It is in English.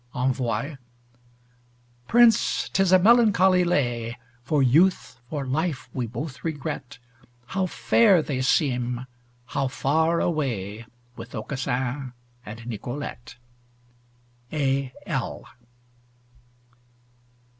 ENVOY. Prince, 'tis a melancholy lay! For Youth, for Life we both regret: How fair they seem; how far away, With Aucassin and Nicolete. A. L.